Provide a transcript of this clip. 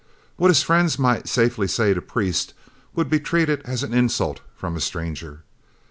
What his friends might safely say to Priest would be treated as an insult from a stranger.